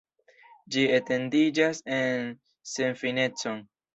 Ĝi etendiĝas en senfinecon.